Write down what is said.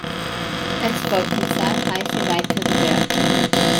Es folgten zahlreiche weitere Werke.